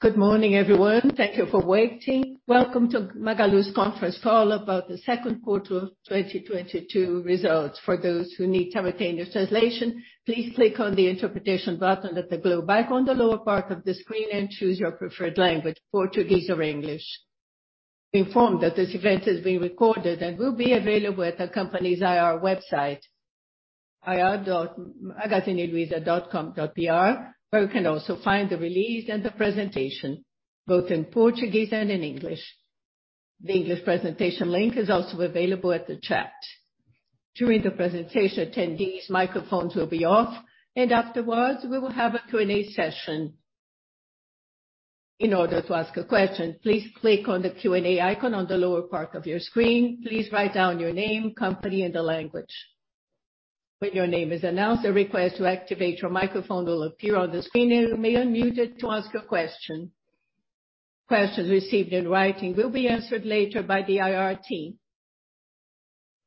Good morning, everyone. Thank you for waiting. Welcome to Magalu's conference call about the second quarter of 2022 results. For those who need to retain the translation, please click on the interpretation button at the global bar on the lower part of the screen and choose your preferred language, Portuguese or English. Be informed that this event is being recorded and will be available at the company's IR website, ir.magazineluiza.com.br, where you can also find the release and the presentation, both in Portuguese and in English. The English presentation link is also available at the chat. During the presentation, attendees microphones will be off, and afterwards we will have a Q&A session. In order to ask a question, please click on the Q&A icon on the lower part of your screen. Please write down your name, company, and the language. When your name is announced, a request to activate your microphone will appear on the screen, and you may unmute it to ask a question. Questions received in writing will be answered later by the IR team.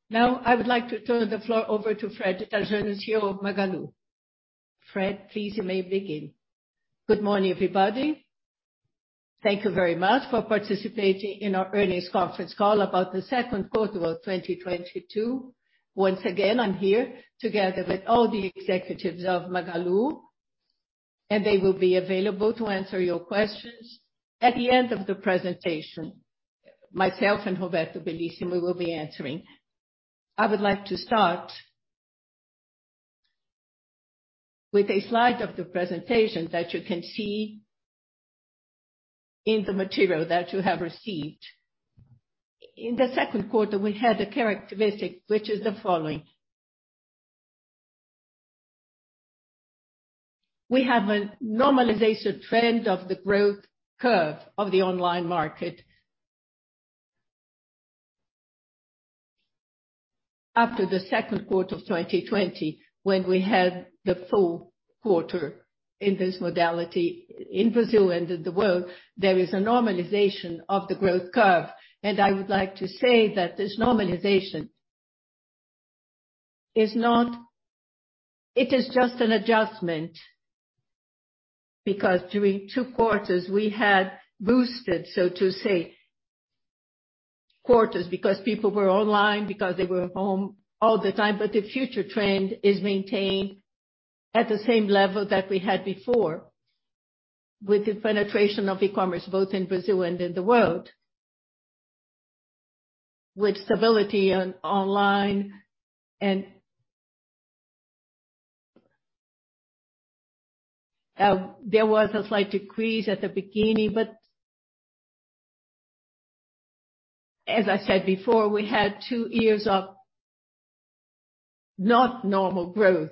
Now I would like to turn the floor over to Fred as CEO of Magalu. Fred, please you may begin. Good morning, everybody. Thank you very much for participating in our earnings conference call about the second quarter of 2022. Once again, I'm here together with all the executives of Magalu, and they will be available to answer your questions. At the end of the presentation, myself and Roberto Bellissimo will be answering. I would like to start with a slide of the presentation that you can see in the material that you have received. In the second quarter, we had a characteristic, which is the following. We have a normalization trend of the growth curve of the online market. After the second quarter of 2020, when we had the full quarter in this modality in Brazil and in the world, there is a normalization of the growth curve. I would like to say that this normalization is not. It is just an adjustment, because during two quarters we had boosted, so to say, quarters because people were online, because they were home all the time. The future trend is maintained at the same level that we had before with the penetration of e-commerce both in Brazil and in the world. With stability on online. There was a slight decrease at the beginning, but as I said before, we had two years of not normal growth.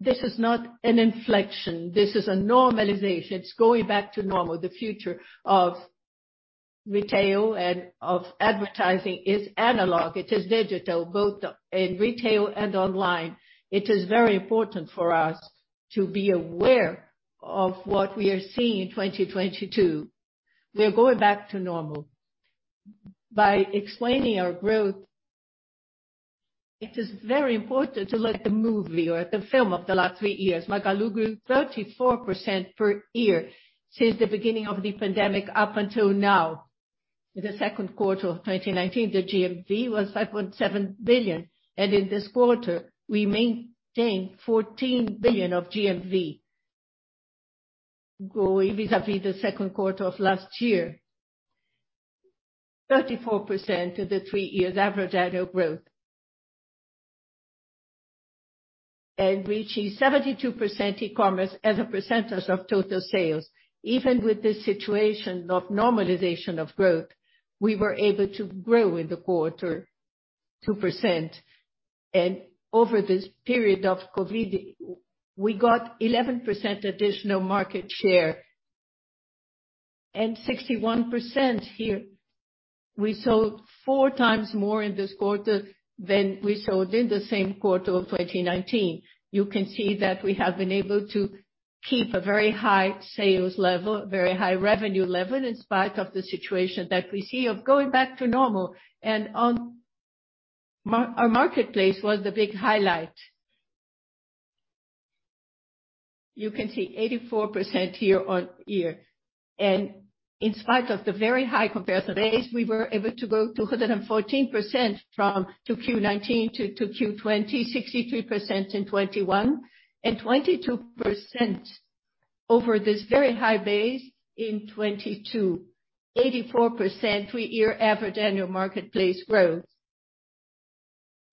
This is not an inflection. This is a normalization. It's going back to normal. The future of retail and of advertising is analog. It is digital, both in retail and online. It is very important for us to be aware of what we are seeing in 2022. We are going back to normal. By explaining our growth, it is very important to look at the movie or the film of the last three years. Magalu grew 34% per year since the beginning of the pandemic up until now. In the second quarter of 2019, the GMV was 5.7 billion, and in this quarter we maintained 14 billion of GMV growing vis-à-vis the second quarter of last year. 34% in the three years average annual growth. Reaching 72% e-commerce as a percentage of total sales. Even with this situation of normalization of growth, we were able to grow in the quarter 2%. Over this period of COVID, we got 11% additional market share and 61% here. We sold four times more in this quarter than we sold in the same quarter of 2019. You can see that we have been able to keep a very high sales level, very high revenue level, in spite of the situation that we see of going back to normal. Our marketplace was the big highlight. You can see 84% year on year. In spite of the very high comparison base, we were able to grow 214% from Q1 2019 to Q1 2020, 63% in 2021 and 22% over this very high base in 2022. 84% three-year average annual marketplace growth.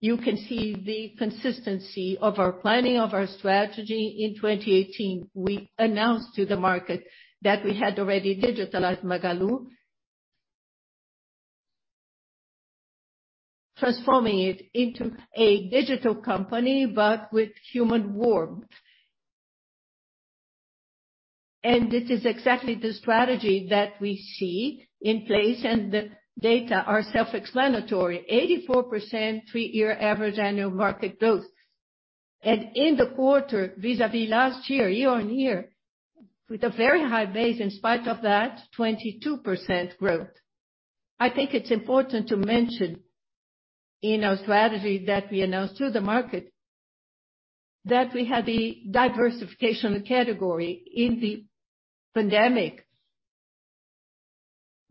You can see the consistency of our planning, of our strategy. In 2018, we announced to the market that we had already digitalized Magalu. Transforming it into a digital company, but with human warmth. This is exactly the strategy that we see in place and the data are self-explanatory. 84% three-year average annual market growth. In the quarter vis-à-vis last year-on-year with a very high base, in spite of that, 22% growth. I think it's important to mention in our strategy that we announced to the market that we had the diversification category in the pandemic.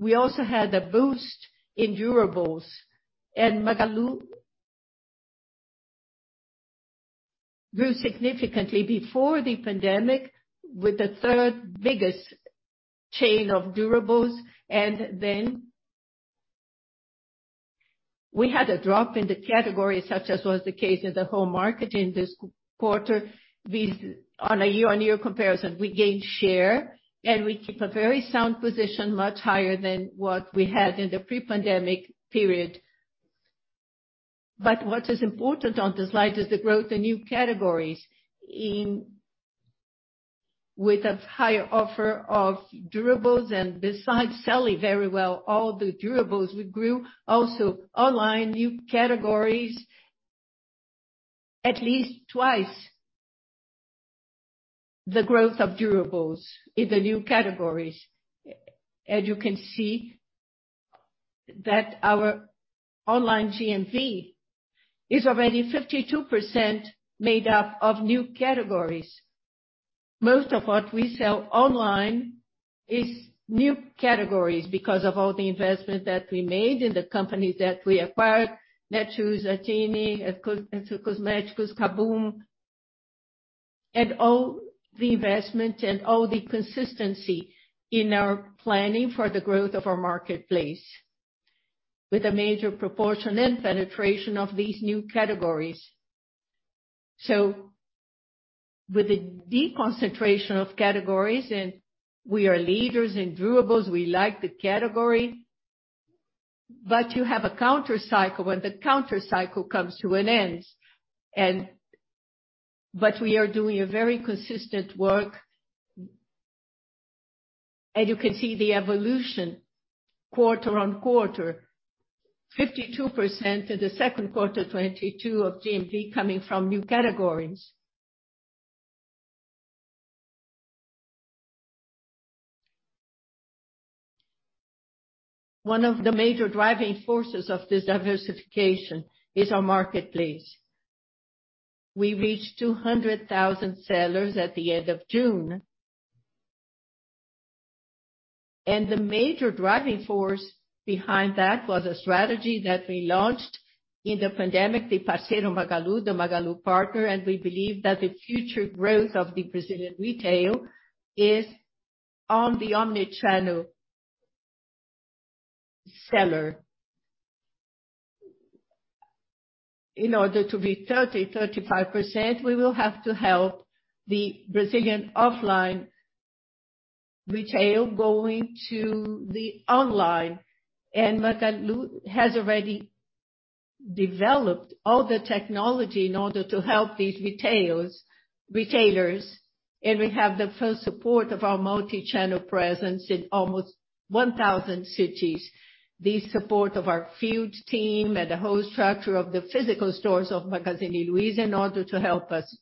We also had a boost in durables, and Magalu grew significantly before the pandemic with the third biggest chain of durables. Then we had a drop in the category such as was the case in the whole market in this quarter. On a year-on-year comparison, we gained share, and we keep a very sound position, much higher than what we had in the pre-pandemic period. What is important on the slide is the growth in new categories with a higher offer of durables, and besides selling very well all the durables, we grew also online new categories at least twice the growth of durables in the new categories. As you can see that our online GMV is already 52% made up of new categories. Most of what we sell online is new categories because of all the investment that we made in the company that we acquired, Netshoes, Época Cosméticos, KaBuM!, and all the investment and all the consistency in our planning for the growth of our marketplace with a major proportion and penetration of these new categories. With the deconcentration of categories, and we are leaders in durables, we like the category. You have a counter cycle, and the counter cycle comes to an end. We are doing a very consistent work. You can see the evolution quarter-on-quarter, 52% in the second quarter, 22% of GMV coming from new categories. One of the major driving forces of this diversification is our marketplace. We reached 200,000 sellers at the end of June. The major driving force behind that was a strategy that we launched in the pandemic, the Parceiro Magalu, the Magalu Partner, and we believe that the future growth of the Brazilian retail is on the omni-channel seller. In order to be 30%-35%, we will have to help the Brazilian offline retail going to the online. Magalu has already developed all the technology in order to help these retailers, and we have the full support of our multi-channel presence in almost 1,000 cities. The support of our field team and the whole structure of the physical stores of Magazine Luiza in order to help us.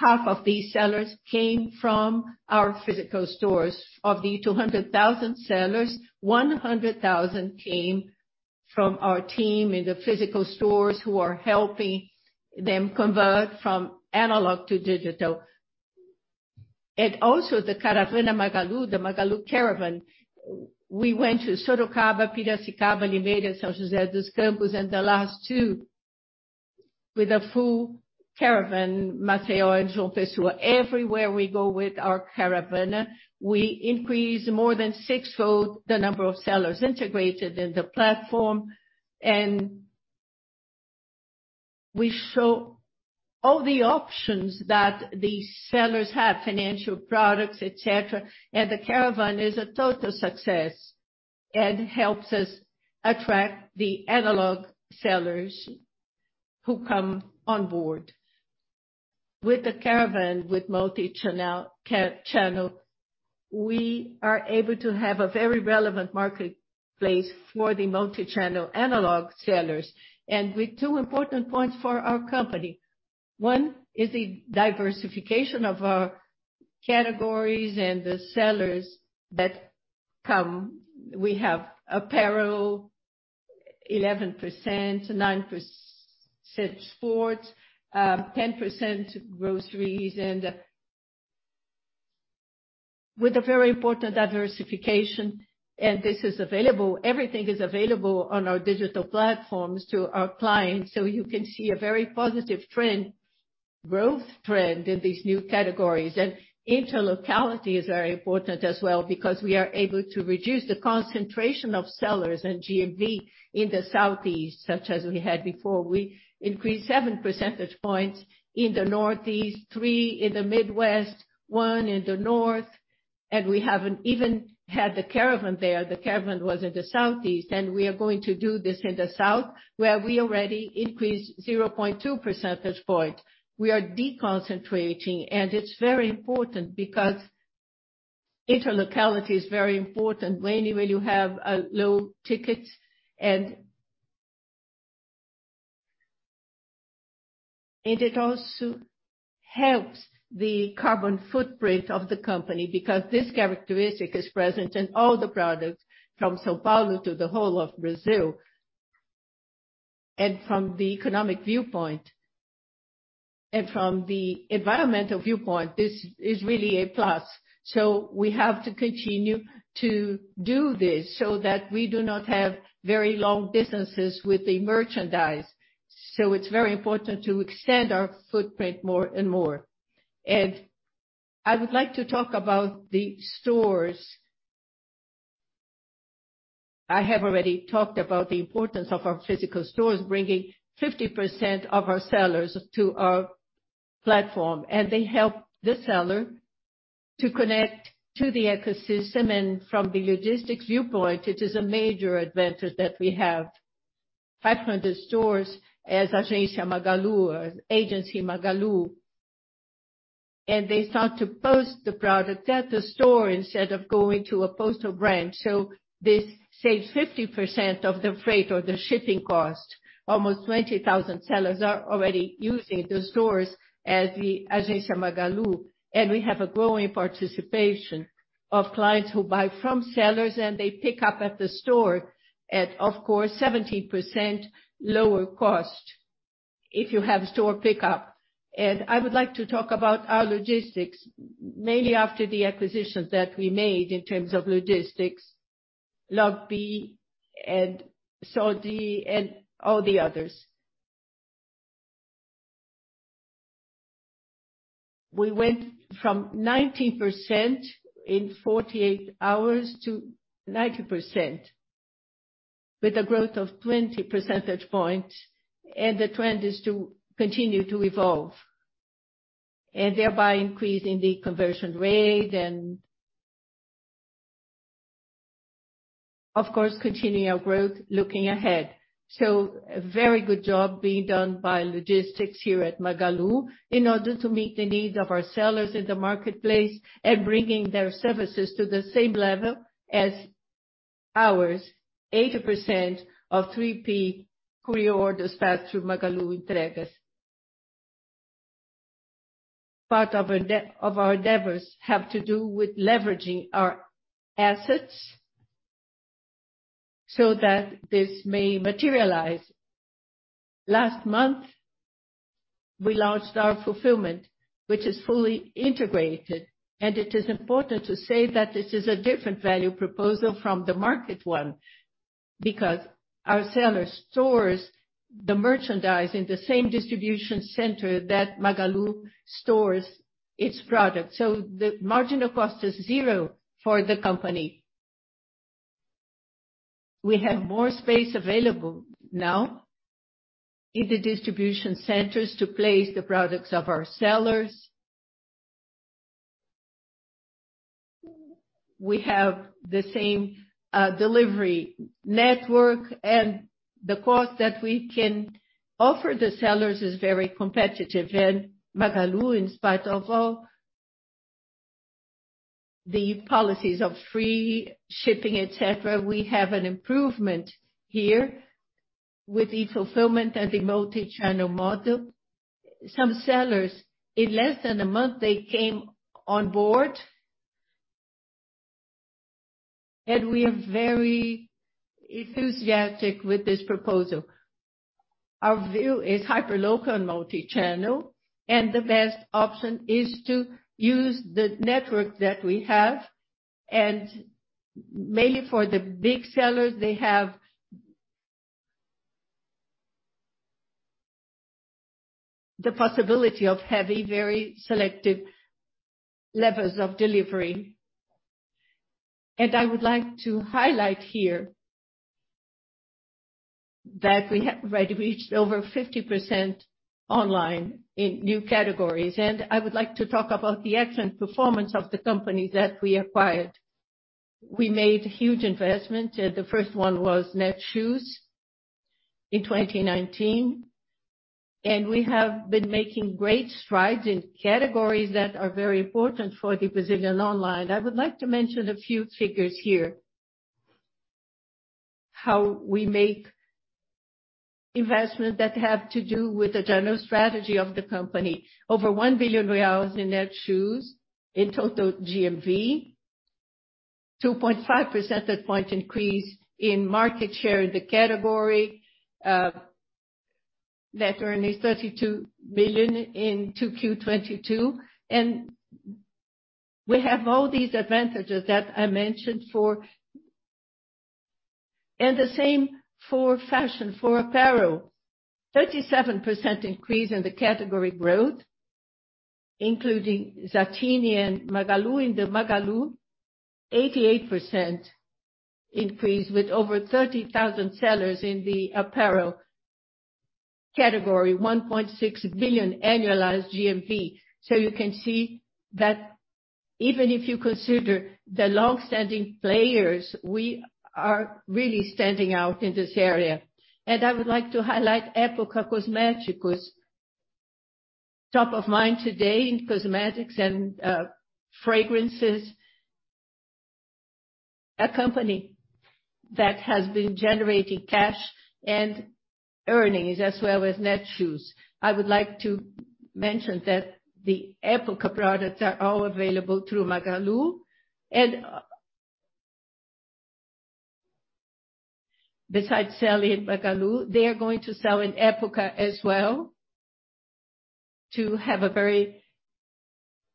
Half of these sellers came from our physical stores. Of the 200,000 sellers, 100,000 came from our team in the physical stores who are helping them convert from analog to digital. Also the Caravana Magalu, the Magalu Caravan. We went to Sorocaba, Piracicaba, Limeira, São José dos Campos, and the last two with a full caravan, Maceió and João Pessoa. Everywhere we go with our caravan, we increase more than sixfold the number of sellers integrated in the platform. We show all the options that these sellers have, financial products, et cetera. The caravan is a total success and helps us attract the analog sellers who come on board. With the caravan, with multi-channel, we are able to have a very relevant marketplace for the multi-channel analog sellers, and with two important points for our company. One is the diversification of our categories and the sellers that come. We have apparel, 11%, 9% sports, 10% groceries, and with a very important diversification. This is available. Everything is available on our digital platforms to our clients. You can see a very positive trend, growth trend in these new categories. Interlocality is very important as well because we are able to reduce the concentration of sellers and GMV in the southeast, such as we had before. We increased 7 percentage points in the Northeast, three in the Midwest, one in the North, and we haven't even had the caravan there. The caravan was in the southeast, and we are going to do this in the south, where we already increased 0.2 percentage point. We are deconcentrating, and it's very important because interlocality is very important. Where you have low tickets and it also helps the carbon footprint of the company because this characteristic is present in all the products from São Paulo to the whole of Brazil. From the economic viewpoint and from the environmental viewpoint, this is really a plus. We have to continue to do this so that we do not have very long distances with the merchandise. It's very important to extend our footprint more and more. I would like to talk about the stores. I have already talked about the importance of our physical stores bringing 50% of our sellers to our platform, and they help the seller to connect to the ecosystem. From the logistics viewpoint, it is a major advantage that we have 500 stores as Agência Magalu or Agency Magalu. They start to post the product at the store instead of going to a postal branch. This saves 50% of the freight or the shipping cost. Almost 20,000 sellers are already using the stores as the Agência Magalu, and we have a growing participation of clients who buy from sellers, and they pick up at the store at, of course, 17% lower cost if you have store pickup. I would like to talk about our logistics, mainly after the acquisitions that we made in terms of logistics, Loggi and Sode and all the others. We went from 19% in 48 hours to 90% with a growth of 20 percentage points, and the trend is to continue to evolve and thereby increasing the conversion rate and of course, continue our growth looking ahead. A very good job being done by logistics here at Magalu in order to meet the needs of our sellers in the marketplace and bringing their services to the same level as ours. 80% of 3P courier orders pass through Magalu Entregas. Part of our endeavors have to do with leveraging our assets so that this may materialize. Last month, we launched our fulfillment, which is fully integrated, and it is important to say that this is a different value proposition from the market one, because our seller stores the merchandise in the same distribution center that Magalu stores its product. The marginal cost is zero for the company. We have more space available now in the distribution centers to place the products of our sellers. We have the same delivery network, and the cost that we can offer the sellers is very competitive. Magalu, in spite of all the policies of free shipping, et cetera, we have an improvement here with the fulfillment and the multi-channel model. Some sellers, in less than a month, they came on board. We are very enthusiastic with this proposal. Our view is hyperlocal and multi-channel, and the best option is to use the network that we have. Mainly for the big sellers, they have the possibility of having very selective levels of delivery. I would like to highlight here that we have already reached over 50% online in new categories. I would like to talk about the excellent performance of the companies that we acquired. We made huge investments, and the first one was Netshoes in 2019. We have been making great strides in categories that are very important for the Brazilian online. I would like to mention a few figures here, how we make investments that have to do with the general strategy of the company. Over BRL 1 billion in Netshoes in total GMV, 2.5 percentage point increase in market share in the category, net earnings BRL 32 million in 2Q 2022. We have all these advantages that I mentioned for The same for fashion, for apparel. 37% increase in the category growth, including Zattini and Magalu. In the Magalu, 88% increase with over 30,000 sellers in the apparel category, 1.6 billion annualized GMV. You can see that even if you consider the long-standing players, we are really standing out in this area. I would like to highlight Época Cosméticos. Top of mind today in cosmetics and fragrances. A company that has been generating cash and earnings as well as Netshoes. I would like to mention that the Época products are all available through Magalu. Besides selling in Magalu, they are going to sell in Época as well to have a very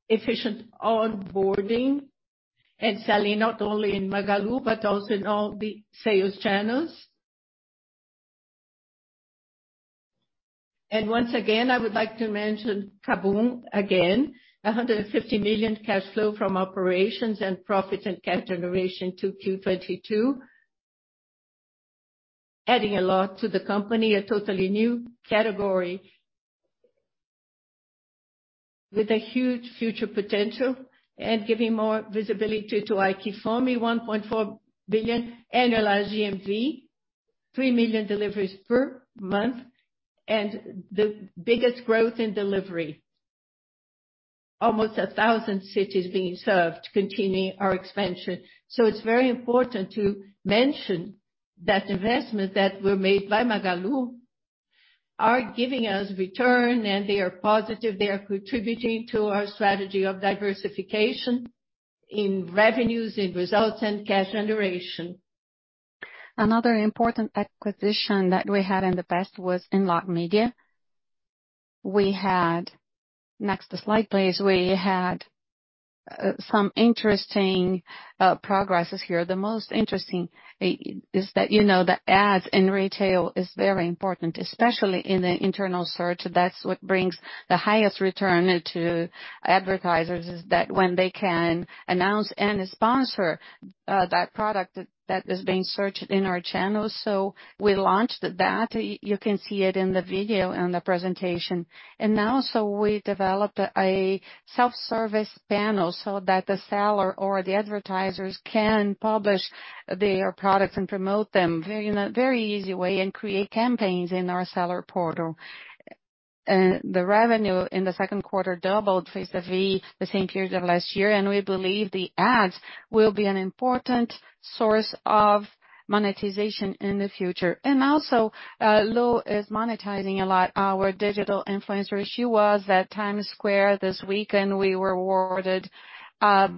efficient onboarding and selling not only in Magalu but also in all the sales channels. Once again, I would like to mention KaBuM! again. 150 million cash flow from operations and profits and cash generation to Q2 2022, adding a lot to the company, a totally new category with a huge future potential and giving more visibility to AiQFome, 1.4 billion annualized GMV, 3 million deliveries per month and the biggest growth in delivery. Almost a thousand cities being served. Continue our expansion. It's very important to mention that investments that were made by Magalu are giving us return, and they are positive, they are contributing to our strategy of diversification in revenues, in results, and cash generation. Another important acquisition that we had in the past was Inloco Media. Next slide, please. We had some interesting progresses here. The most interesting is that, you know, the ads in retail is very important, especially in the internal search. That's what brings the highest return to advertisers, is that when they can announce and sponsor that product that is being searched in our channels. We launched that. You can see it in the video on the presentation. We developed a self-service panel so that the seller or the advertisers can publish their products and promote them very, you know, very easy way and create campaigns in our seller portal. The revenue in the second quarter doubled versus the same period of last year, and we believe the ads will be an important source of monetization in the future. Lu is monetizing a lot of our digital influencer. She was at Times Square this week, and we were awarded a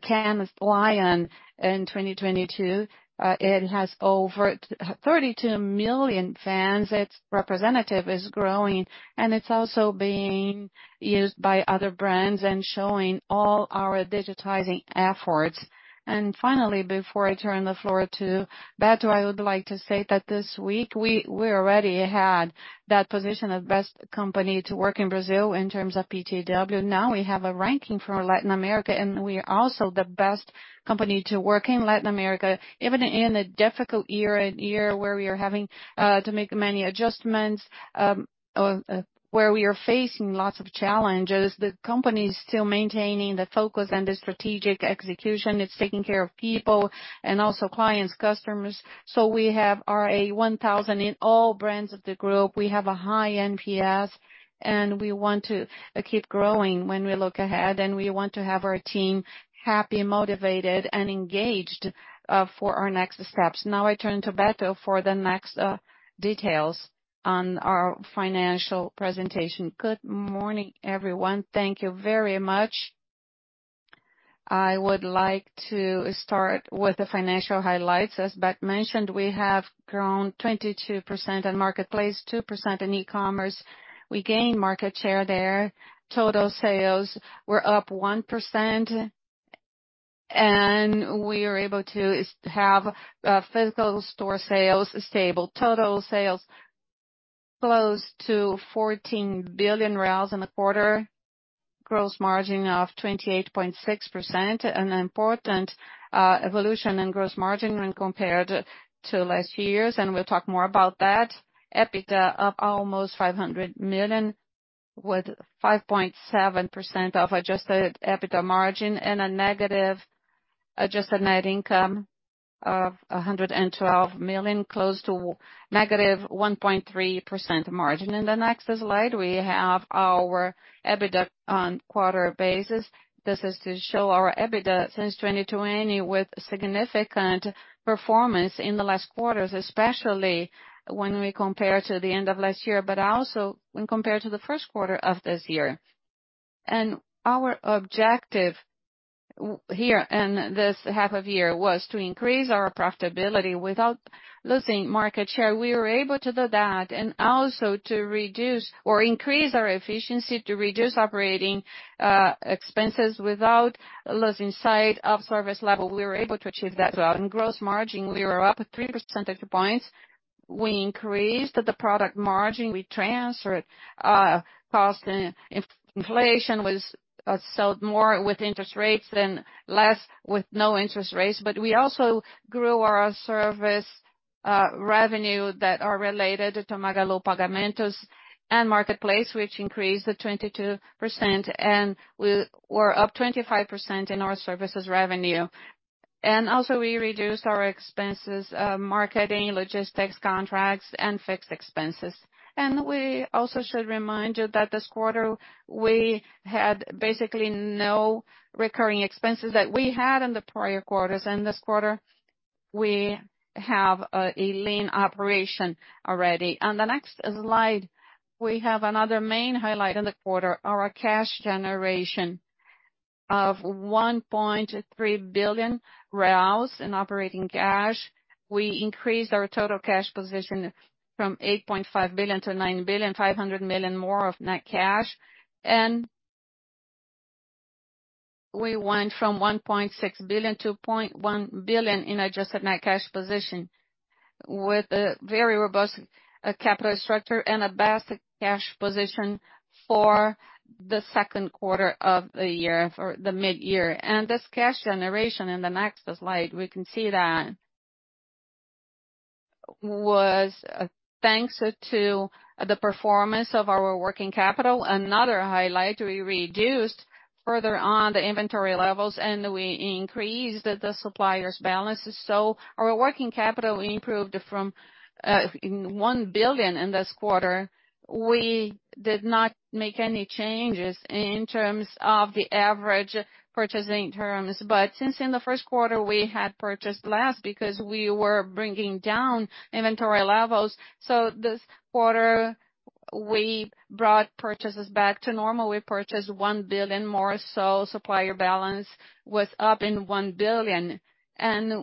Cannes Lions in 2022. It has over 32 million fans. Its representativeness is growing, and it's also being used by other brands and showing all our digitization efforts. Finally, before I turn the floor to Beto, I would like to say that this week we already had that position of best company to work in Brazil in terms of GPTW. Now we have a ranking for Latin America, and we are also the best company to work in Latin America, even in a difficult year, a year where we are having to make many adjustments, where we are facing lots of challenges. The company is still maintaining the focus and the strategic execution. It's taking care of people and also clients, customers. We have our 1,000 in all brands of the group. We have a high NPS, and we want to keep growing when we look ahead, and we want to have our team happy, motivated, and engaged for our next steps. Now I turn to Beto for the next, details on our financial presentation. Good morning, everyone. Thank you very much. I would like to start with the financial highlights. As Fred mentioned, we have grown 22% in marketplace, 2% in e-commerce. We gained market share there. Total sales were up 1%, and we are able to have, physical store sales stable. Total sales close to 14 billion in the quarter. Gross margin of 28.6%. An important, evolution in gross margin when compared to last year's, and we'll talk more about that. EBITDA up almost 500 million, with 5.7% of adjusted EBITDA margin and a negative adjusted net income of 112 million, close to -1.3% margin. In the next slide, we have our EBITDA on quarter basis. This is to show our EBITDA since 2020 with significant performance in the last quarters, especially when we compare to the end of last year, but also when compared to the first quarter of this year. Our objective where in this half of year was to increase our profitability without losing market share. We were able to do that and also to reduce or increase our efficiency to reduce operating expenses without losing sight of service level. We were able to achieve that goal. In gross margin, we were up three percentage points. We increased the product margin. We transferred cost and inflation. We sold more with interest rates and less with no interest rates. We also grew our service revenue that are related to Magalu Pagamentos and Marketplace, which increased to 22%, and we were up 25% in our services revenue. We reduced our expenses, marketing, logistics, contracts, and fixed expenses. We also should remind you that this quarter, we had basically no recurring expenses that we had in the prior quarters. In this quarter, we have a lean operation already. On the next slide, we have another main highlight in the quarter, our cash generation of 1.3 billion reais in operating cash. We increased our total cash position from 8.5 billion to 9.5 billion more of net cash. We went from 1.6 billion to 0.1 billion in adjusted net cash position, with a very robust capital structure and a vast cash position for the second quarter of the year, for the midyear. This cash generation in the next slide, we can see that was thanks to the performance of our working capital. Another highlight, we reduced further on the inventory levels, and we increased the suppliers' balances. Our working capital improved from 1 billion in this quarter. We did not make any changes in terms of the average purchasing terms. Since in the first quarter we had purchased less because we were bringing down inventory levels. This quarter we brought purchases back to normal. We purchased 1 billion more, so supplier balance was up in 1 billion.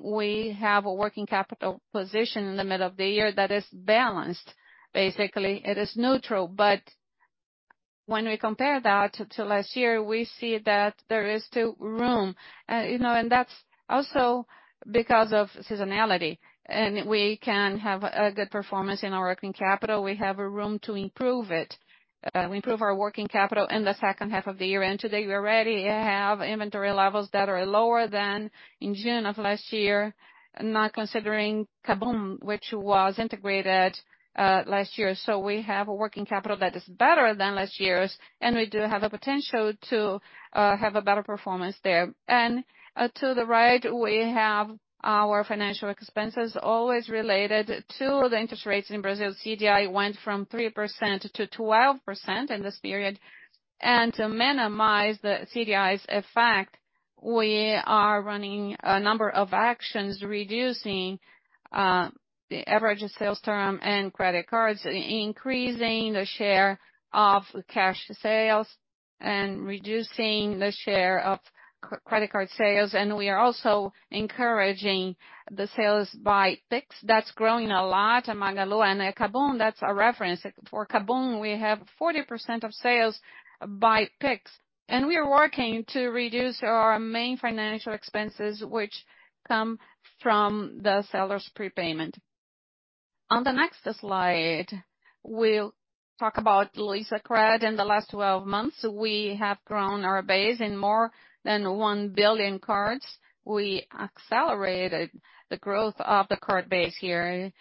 We have a working capital position in the middle of the year that is balanced. Basically, it is neutral. When we compare that to last year, we see that there is still room. You know, that's also because of seasonality. We can have a good performance in our working capital. We have a room to improve our working capital in the second half of the year. Today we already have inventory levels that are lower than in June of last year, not considering KaBuM!, which was integrated last year. We have a working capital that is better than last year's, and we do have a potential to have a better performance there. To the right, we have our financial expenses always related to the interest rates in Brazil. CDI went from 3%-12% in this period. To minimize the CDI's effect, we are running a number of actions, reducing the average sales term and credit cards, increasing the share of cash sales and reducing the share of credit card sales. We are also encouraging the sales by Pix. That's growing a lot at Magalu and at KaBuM!. That's a reference. For KaBuM!, we have 40% of sales by Pix, and we are working to reduce our main financial expenses, which come from the seller's prepayment. On the next slide, we'll talk about Luizacred. In the last 12 months, we have grown our base in more than 1 billion cards. We accelerated the growth of the card base here.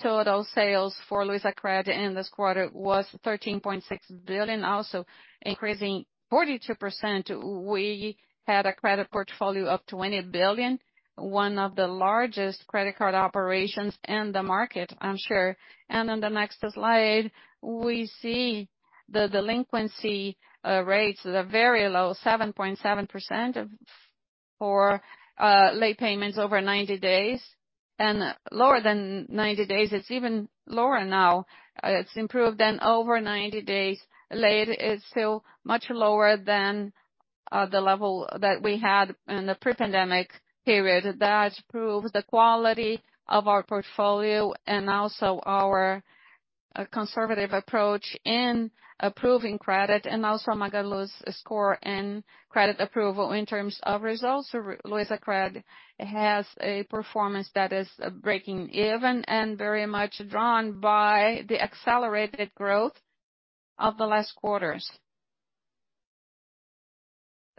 Total sales for Luizacred in this quarter was 13.6 billion, also increasing 42%. We had a credit portfolio of 20 billion, one of the largest credit card operations in the market, I'm sure. On the next slide, we see the delinquency rates at a very low 7.7% for late payments over 90 days. Lower than 90 days, it's even lower now. It's improved. Over 90 days late is still much lower than the level that we had in the pre-pandemic period. That proves the quality of our portfolio and also our conservative approach in approving credit, and also Magalu's score and credit approval. In terms of results, Luizacred has a performance that is breaking even and very much drawn by the accelerated growth of the last quarters.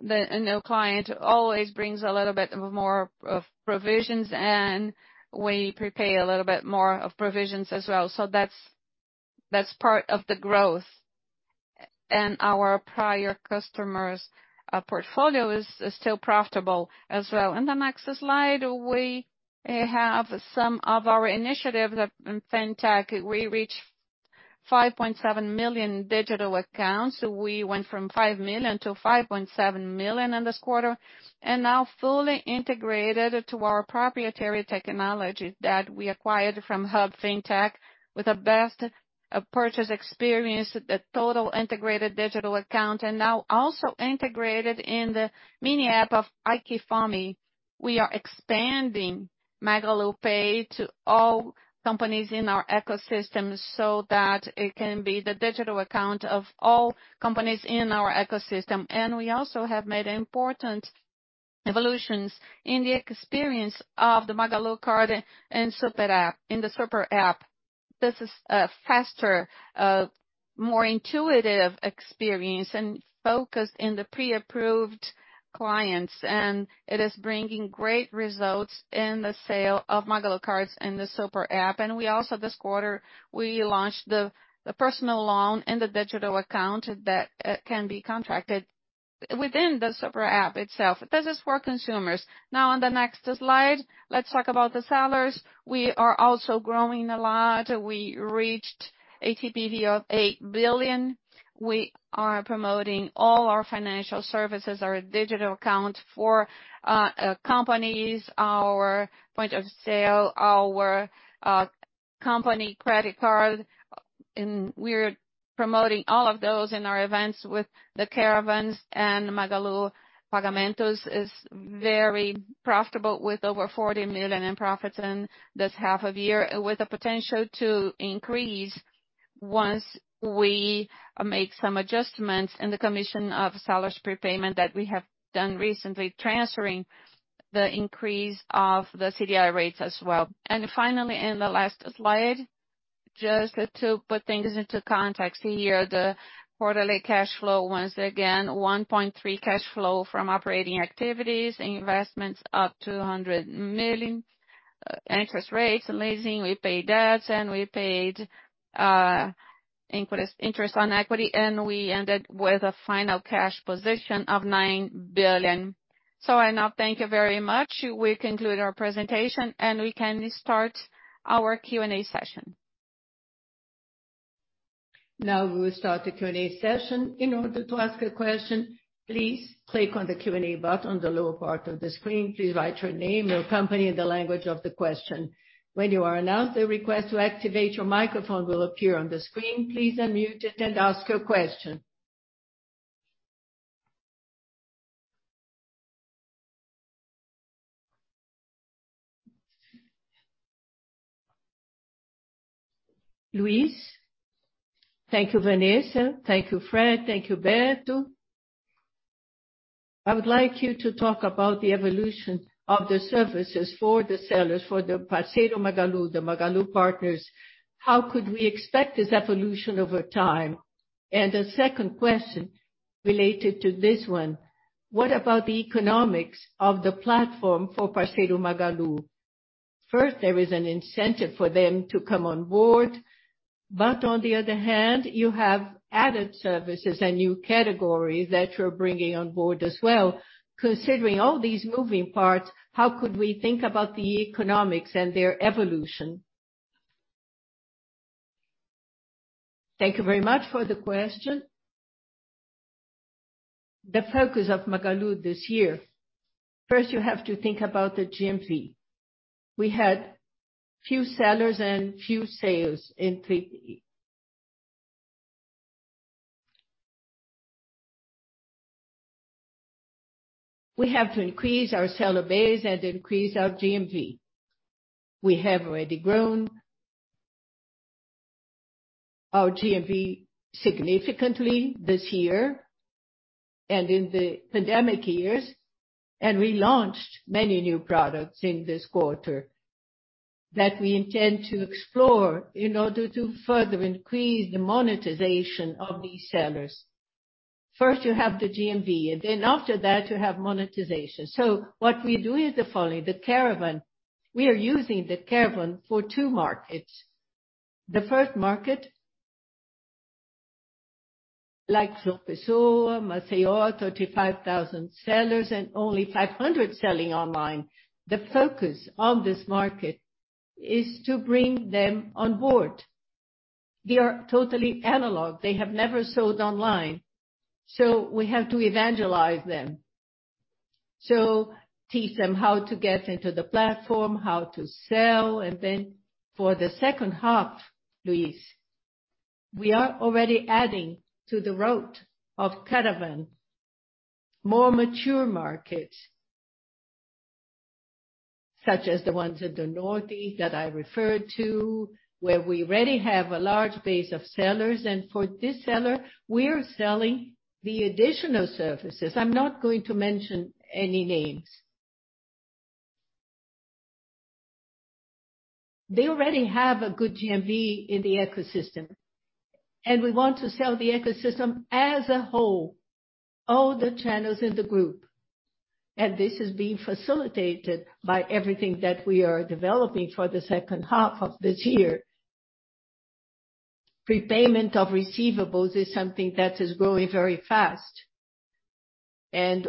The, you know, client always brings a little bit more of provisions, and we prepare a little bit more of provisions as well. That's part of the growth. Our prior customers portfolio is still profitable as well. On the next slide, we have some of our initiatives in fintech. We reached 5.7 million digital accounts. We went from 5 million to 5.7 million in this quarter, and now fully integrated to our proprietary technology that we acquired from Hub Fintech with the best purchase experience, the total integrated digital account, and now also integrated in the mini app of AiQFome. We are expanding MagaluPay to all companies in our ecosystem so that it can be the digital account of all companies in our ecosystem. We also have made important evolutions in the experience of the Magalu card and SuperApp. In the SuperApp, this is a faster, more intuitive experience and focused in the pre-approved clients, and it is bringing great results in the sale of Magalu cards in the SuperApp. We also, this quarter, we launched the personal loan in the digital account that can be contracted within the SuperApp itself. This is for consumers. Now on the next slide, let's talk about the sellers. We are also growing a lot. We reached ATPV of 8 billion. We are promoting all our financial services, our digital account for companies, our point of sale, our company credit card. We're promoting all of those in our events with the Caravana Magalu and Magalu Pagamentos is very profitable with over 40 million in profits in this half of year, with the potential to increase once we make some adjustments in the commission of seller's prepayment that we have done recently, transferring the increase of the CDI rates as well. Finally, in the last slide, just to put things into context here, the quarterly cash flow, once again, 1.3 billion cash flow from operating activities, investments up 200 million. Interest rates and leasing, we paid debts, and we paid interest on equity, and we ended with a final cash position of 9 billion. Enough, thank you very much. We conclude our presentation, and we can start our Q&A session. Now we will start the Q&A session. In order to ask a question, please click on the Q&A button on the lower part of the screen. Please write your name, your company, and the language of the question. When you are announced, a request to activate your microphone will appear on the screen. Please unmute it and ask your question. Luiz. Thank you, Vanessa. Thank you, Fred. Thank you, Beto. I would like you to talk about the evolution of the services for the sellers, for the Parceiro Magalu, the Magalu partners. How could we expect this evolution over time? And a second question related to this one, what about the economics of the platform for Parceiro Magalu? First, there is an incentive for them to come on board, but on the other hand, you have added services and new categories that you're bringing on board as well. Considering all these moving parts, how could we think about the economics and their evolution? Thank you very much for the question. The focus of Magalu this year. First you have to think about the GMV. We had few sellers and few sales in 3P. We have to increase our seller base and increase our GMV. We have already grown our GMV significantly this year and in the pandemic years, and we launched many new products in this quarter that we intend to explore in order to further increase the monetization of these sellers. First you have the GMV, and then after that you have monetization. What we do is the following. We are using the caravan for two markets. The first market, like João Pessoa, Maceió, 35,000 sellers and only 500 selling online. The focus of this market is to bring them on board. They are totally analog. They have never sold online. We have to evangelize them. Teach them how to get into the platform, how to sell. For the second half, Luiz, we are already adding to the route of Caravan more mature markets, such as the ones in the Northeast that I referred to, where we already have a large base of sellers. For this seller, we are selling the additional services. I'm not going to mention any names. They already have a good GMV in the ecosystem, and we want to sell the ecosystem as a whole, all the channels in the group. This is being facilitated by everything that we are developing for the second half of this year. Prepayment of receivables is something that is growing very fast.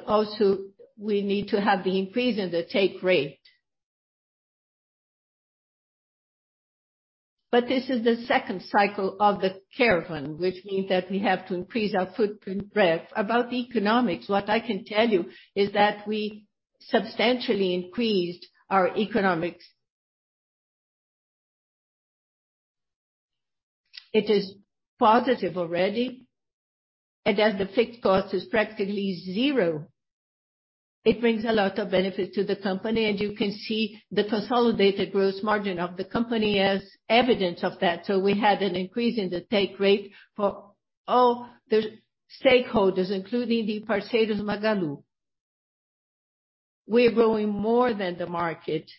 Also, we need to have the increase in the take rate. This is the second cycle of the Caravan, which means that we have to increase our footprint breadth. About the economics, what I can tell you is that we substantially increased our economics. It is positive already. As the fixed cost is practically zero, it brings a lot of benefit to the company. You can see the consolidated gross margin of the company as evidence of that. We had an increase in the take rate for all the stakeholders, including the Parceiros Magalu. We're growing more than the market.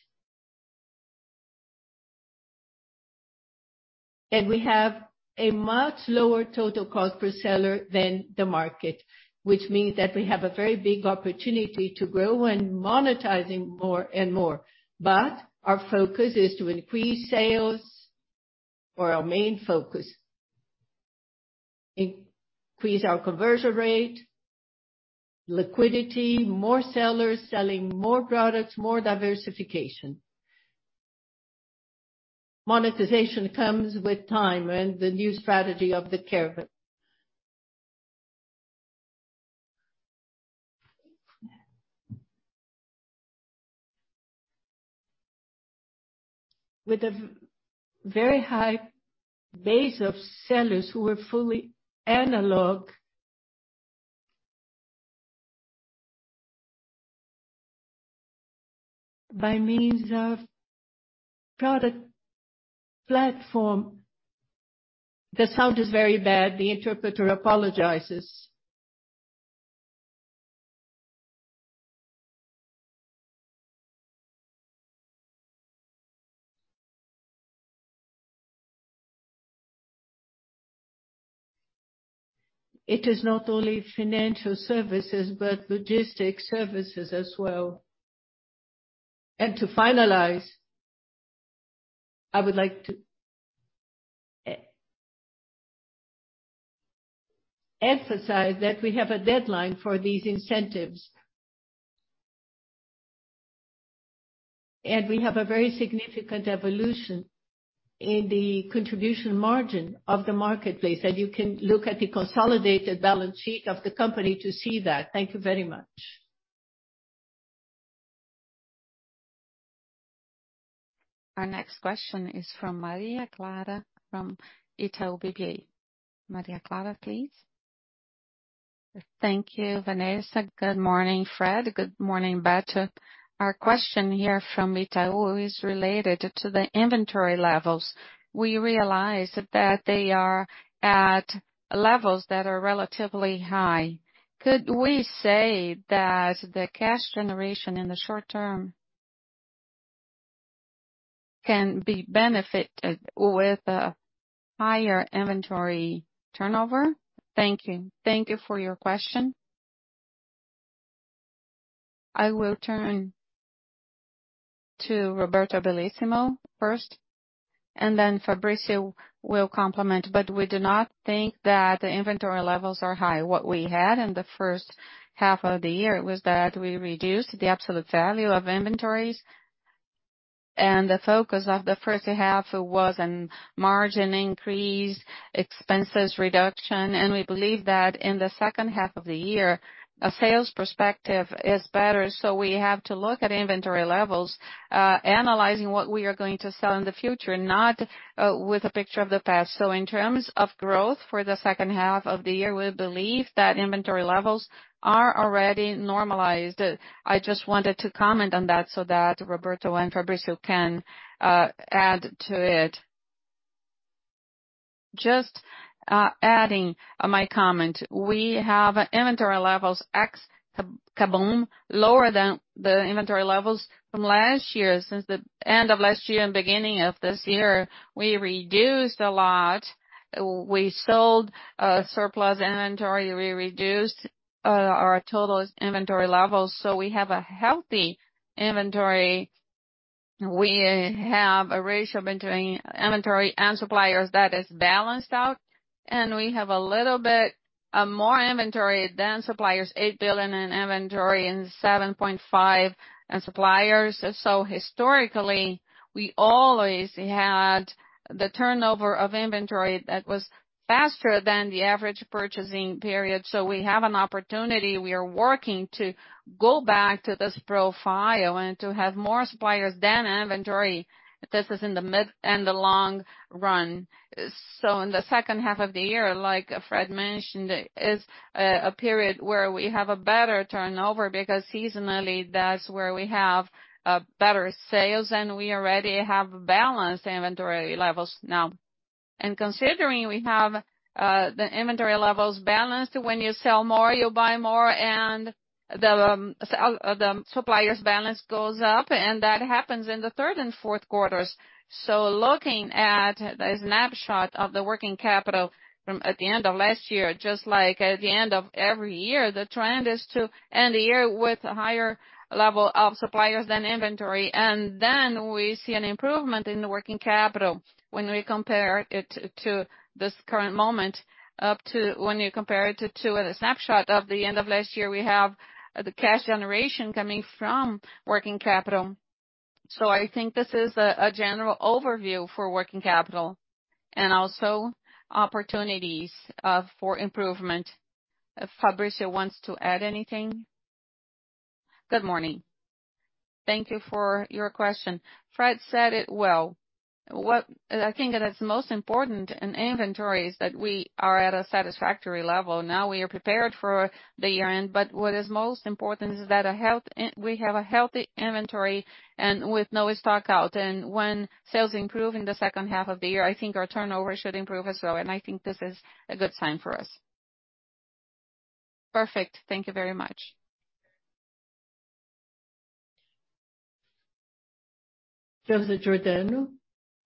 We have a much lower total cost per seller than the market, which means that we have a very big opportunity to grow and monetizing more and more. Our focus is to increase sales or our main focus. Increase our conversion rate, liquidity, more sellers selling more products, more diversification. Monetization comes with time and the new strategy of the Caravana. With a very high base of sellers who are fully analog by means of product platform. The sound is very bad. The interpreter apologizes. It is not only financial services, but logistics services as well. To finalize, I would like to emphasize that we have a deadline for these incentives. We have a very significant evolution in the contribution margin of the marketplace. You can look at the consolidated balance sheet of the company to see that. Thank you very much. Our next question is from Maria Clara from Itaú BBA. Maria Clara, please. Thank you, Vanessa. Good morning, Fred. Good morning, Beto. Our question here from Itaú is related to the inventory levels. We realize that they are at levels that are relatively high. Could we say that the cash generation in the short term can be benefited with a higher inventory turnover? Thank you. Thank you for your question. I will turn to Roberto Bellissimo first, and then Fabrício will complement. We do not think that the inventory levels are high. What we had in the first half of the year was that we reduced the absolute value of inventories, and the focus of the first half was on margin increase, expenses reduction. We believe that in the second half of the year, a sales perspective is better. We have to look at inventory levels, analyzing what we are going to sell in the future, not with a picture of the past. In terms of growth for the second half of the year, we believe that inventory levels are already normalized. I just wanted to comment on that so that Roberto and Fabrício can add to it. Just adding on my comment. We have inventory levels ex KaBuM! lower than the inventory levels from last year. Since the end of last year and beginning of this year, we reduced a lot. We sold surplus inventory. We reduced our total inventory levels. We have a healthy inventory. We have a ratio between inventory and suppliers that is balanced out, and we have a little bit more inventory than suppliers. 8 billion in inventory and 7.5 billion in suppliers. Historically, we always had the turnover of inventory that was faster than the average purchasing period. We have an opportunity. We are working to go back to this profile and to have more suppliers than inventory. This is in the mid and the long run. In the second half of the year, like Fred mentioned, is a period where we have a better turnover because seasonally that's where we have better sales and we already have balanced inventory levels now. Considering we have the inventory levels balanced, when you sell more, you buy more, and the suppliers balance goes up, and that happens in the third and fourth quarters. Looking at the snapshot of the working capital from the end of last year, just like at the end of every year, the trend is to end the year with a higher level of suppliers than inventory. We see an improvement in the working capital when we compare it to this current moment up to when you compare it to the snapshot of the end of last year. We have the cash generation coming from working capital. I think this is a general overview for working capital and also opportunities for improvement. Fabrício wants to add anything. Good morning. Thank you for your question. Fred said it well. What I think that is most important in inventory is that we are at a satisfactory level. Now we are prepared for the year-end, but what is most important is that we have a healthy inventory and with no stock out. When sales improve in the second half of the year, I think our turnover should improve as well, and I think this is a good sign for us. Perfect. Thank you very much. Joseph Giordano,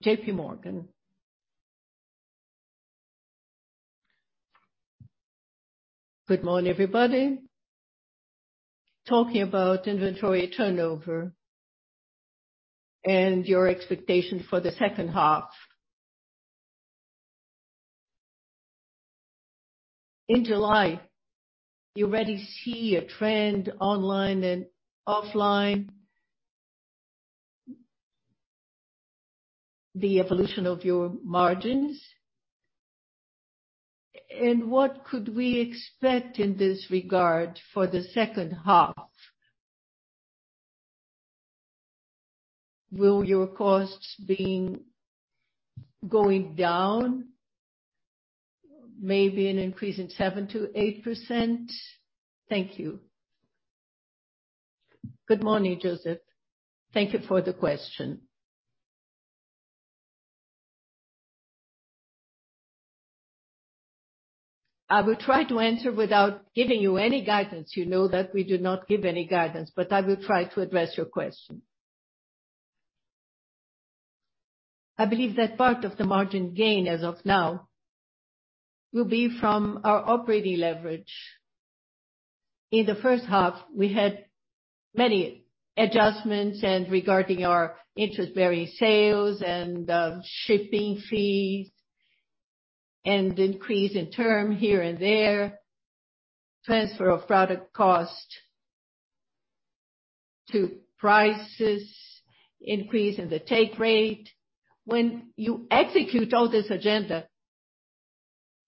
JPMorgan. Good morning, everybody. Talking about inventory turnover and your expectation for the second half. In July, you already see a trend online and offline. The evolution of your margins. What could we expect in this regard for the second half? Will your costs be going down? Maybe an increase in 7%-8%. Thank you. Good morning, Joseph. Thank you for the question. I will try to answer without giving you any guidance. You know that we do not give any guidance, but I will try to address your question. I believe that part of the margin gain as of now will be from our operating leverage. In the first half, we had many adjustments and regarding our interest-bearing sales and, shipping fees and increase in term here and there, transfer of product cost to prices, increase in the take rate. When you execute all this agenda,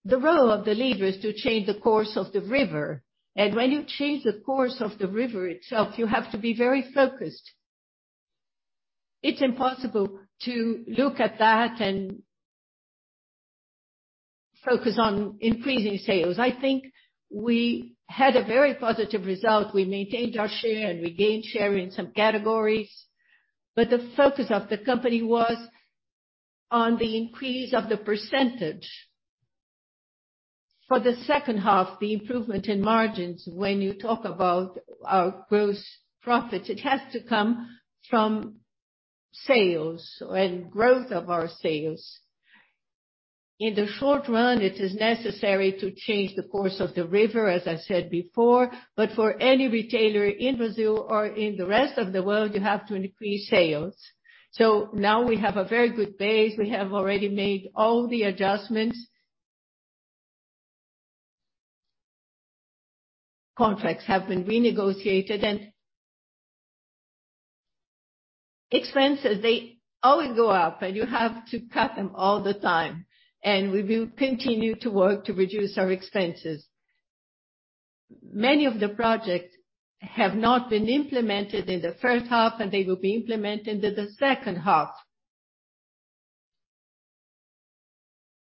the role of the leader is to change the course of the river. When you change the course of the river itself, you have to be very focused. It's impossible to look at that and focus on increasing sales. I think we had a very positive result. We maintained our share, and we gained share in some categories, but the focus of the company was on the increase of the percentage. For the second half, the improvement in margins, when you talk about our gross profits, it has to come from sales and growth of our sales. In the short run, it is necessary to change the course of the river, as I said before, but for any retailer in Brazil or in the rest of the world, you have to increase sales. Now we have a very good base. We have already made all the adjustments. Contracts have been renegotiated. Expenses, they always go up, and you have to cut them all the time, and we will continue to work to reduce our expenses. Many of the projects have not been implemented in the first half, and they will be implemented in the second half.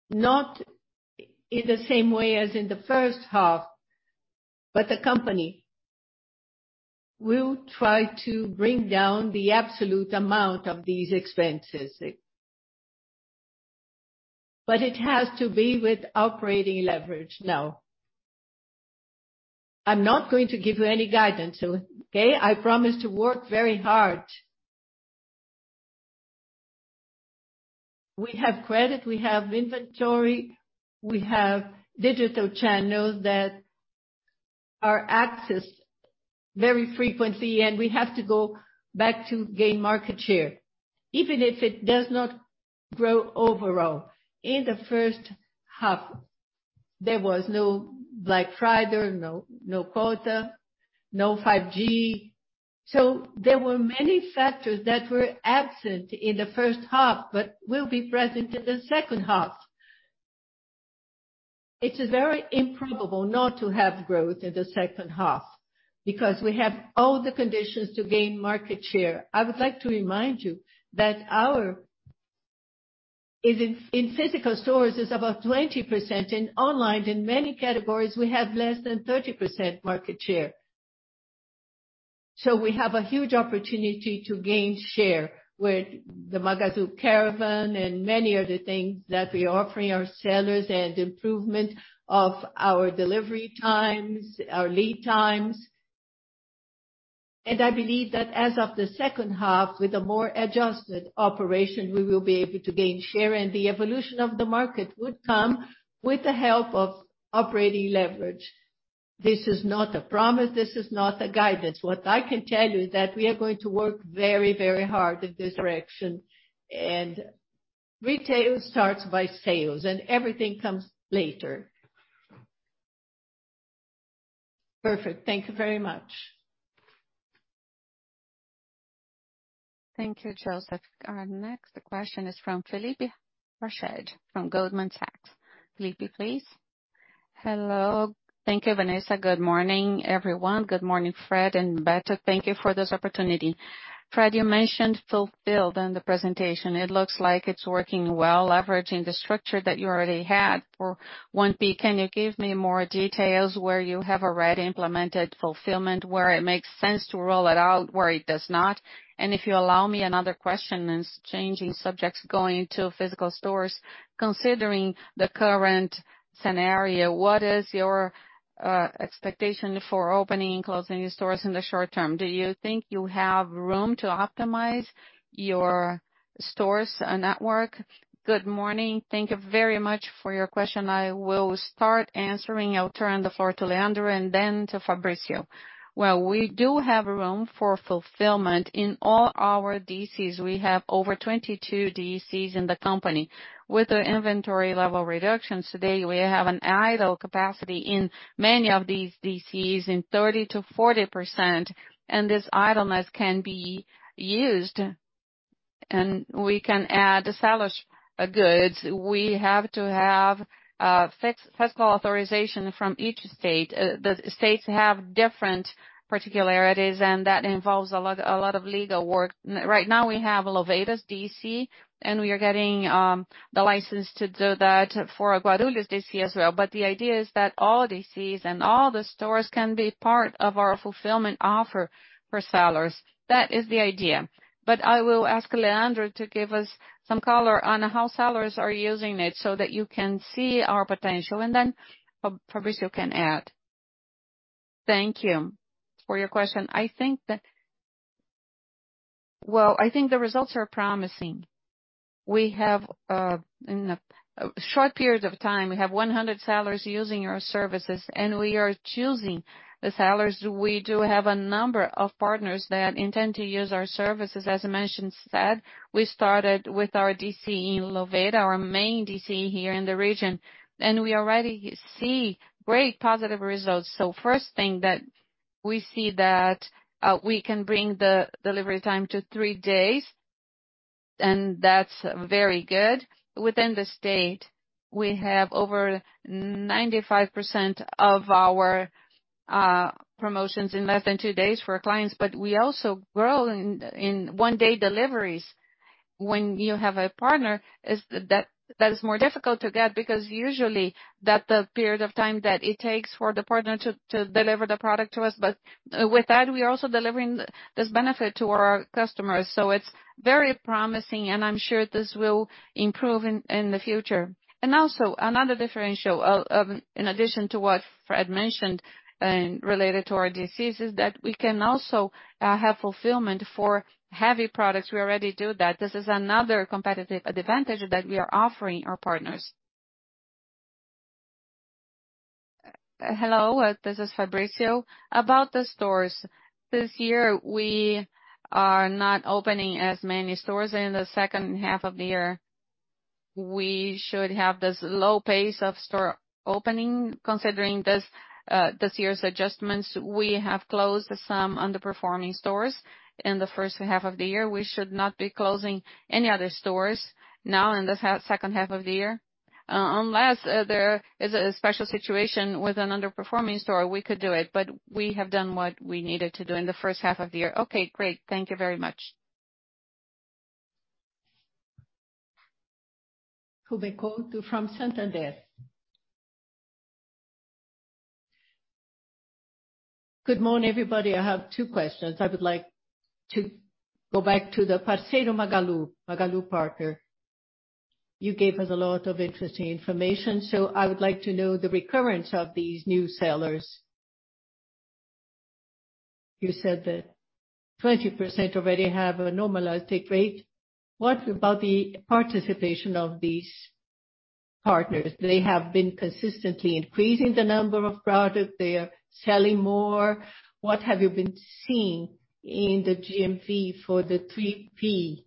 Not in the same way as in the first half, but the company will try to bring down the absolute amount of these expenses. It has to be with operating leverage now. I'm not going to give you any guidance, okay? I promise to work very hard. We have credit, we have inventory, we have digital channels that are accessed very frequently, and we have to go back to gain market share, even if it does not grow overall. In the first half, there was no Black Friday, no World Cup, no 5G. There were many factors that were absent in the first half but will be present in the second half. It is very improbable not to have growth in the second half because we have all the conditions to gain market share. I would like to remind you that our market share in physical stores is about 20%. In online, in many categories, we have less than 30% market share. We have a huge opportunity to gain share with the Magalu Caravan and many of the things that we are offering our sellers and improvement of our delivery times, our lead times. I believe that as of the second half, with a more adjusted operation, we will be able to gain share, and the evolution of the market would come with the help of operating leverage. This is not a promise. This is not a guidance. What I can tell you is that we are going to work very, very hard in this direction. Retail starts by sales and everything comes later. Perfect. Thank you very much. Thank you, Joseph. Our next question is from Felipe Rached from Goldman Sachs. Felipe, please. Hello. Thank you, Vanessa. Good morning, everyone. Good morning, Fred and Beto. Thank you for this opportunity. Fred, you mentioned fulfillment in the presentation. It looks like it's working well, leveraging the structure that you already had. For 1P, can you give me more details where you have already implemented fulfillment, where it makes sense to roll it out, where it does not? If you allow me another question, changing subjects going to physical stores. Considering the current scenario, what is your expectation for opening and closing stores in the short term? Do you think you have room to optimize your stores and network? Good morning. Thank you very much for your question. I will start answering. I'll turn the floor to Leandro and then to Fabrício. Well, we do have room for fulfillment in all our DCs. We have over 22 DCs in the company. With the inventory level reductions today, we have an idle capacity in many of these DCs in 30%-40%, and this idleness can be used We can add the seller's goods. We have to have fiscal authorization from each state. The states have different particularities, and that involves a lot of legal work. Right now we have Louveira DC, and we are getting the license to do that for Guarulhos DC as well. The idea is that all DCs and all the stores can be part of our fulfillment offer for sellers. That is the idea. I will ask Leandro to give us some color on how sellers are using it so that you can see our potential, and then Fabrício can add. Thank you for your question. I think that. Well, I think the results are promising. We have, in a short period of time, we have 100 sellers using our services, and we are choosing the sellers. We do have a number of partners that intend to use our services. As I mentioned, we started with our DC in Louveira, our main DC here in the region, and we already see great positive results. First thing that we see that we can bring the delivery time to three days, and that's very good. Within the state, we have over 95% of our promotions in less than two days for clients, but we also grow in one-day deliveries. When you have a partner, that is more difficult to get because usually that's the period of time that it takes for the partner to deliver the product to us. With that, we are also delivering this benefit to our customers. It's very promising, and I'm sure this will improve in the future. Also another differential of, in addition to what Fred mentioned and related to our DCs is that we can also have fulfillment for heavy products. We already do that. This is another competitive advantage that we are offering our partners. Hello, this is Fabrício. About the stores. This year we are not opening as many stores. In the second half of the year, we should have this low pace of store opening considering this year's adjustments. We have closed some underperforming stores in the first half of the year. We should not be closing any other stores now in this second half of the year. Unless there is a special situation with an underperforming store, we could do it, but we have done what we needed to do in the first half of the year. Okay, great. Thank you very much. Ruben Couto from Santander. Good morning, everybody. I have two questions. I would like to go back to the Parceiro Magalu. You gave us a lot of interesting information, so I would like to know the recurrence of these new sellers. You said that 20% already have a normalized take rate. What about the participation of these partners? They have been consistently increasing the number of products. They are selling more. What have you been seeing in the GMV for the 3P?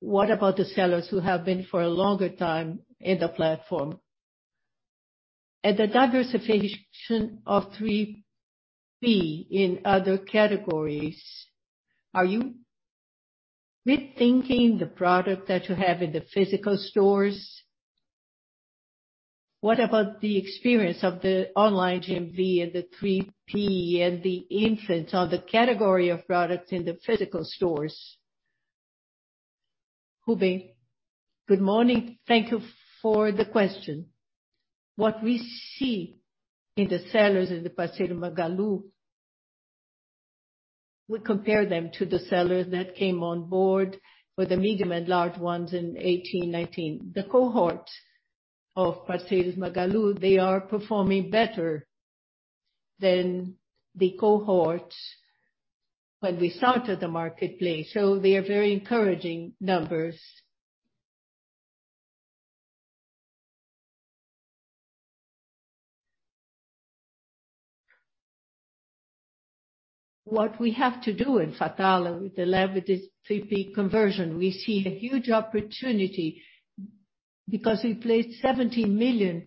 What about the sellers who have been for a longer time in the platform? The diversification of 3P in other categories, are you rethinking the product that you have in the physical stores? What about the experience of the online GMV and the 3P and the influence on the category of products in the physical stores? Ruben, good morning. Thank you for the question. What we see in the sellers in the Parceiro Magalu, we compare them to the sellers that came on board with the medium and large ones in 2018, 2019. The cohort of Parceiros Magalu, they are performing better than the cohort when we started the marketplace, so they are very encouraging numbers. What we have to do in Fatala with the lab, with this 3P conversion, we see a huge opportunity because we placed 70 million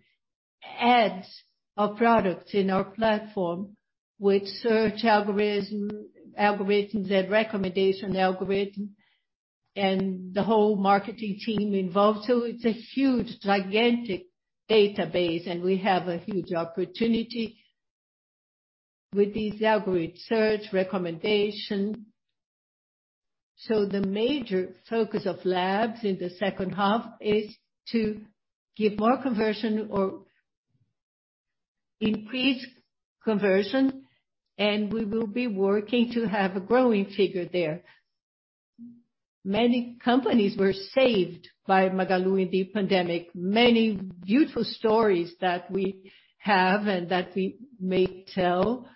ads of products in our platform with search algorithm, algorithms and recommendation algorithm and the whole marketing team involved. It's a huge, gigantic database, and we have a huge opportunity with these algorithm search recommendation. The major focus of labs in the second half is to give more conversion or increase conversion, and we will be working to have a growing figure there. Many companies were saved by Magalu in the pandemic. Many beautiful stories that we have and that we may tell.